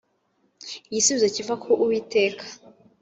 igisubizo kiva ku uwiteka